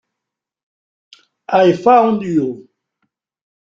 I Found You